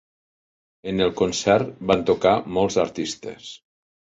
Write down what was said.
En el concert van tocar molts artistes.